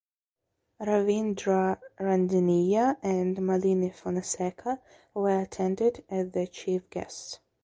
Ravindra Randeniya and Malini Fonseka were attended as the Chief Guests.